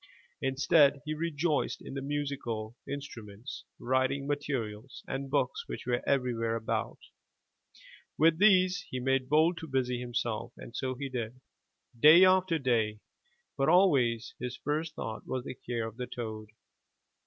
Instead, he rejoiced in the musical instruments, writing materials and books which were everywhere about. With these he made bold to busy himself, and so he did, day after day, but always his first thought was the care of the toad.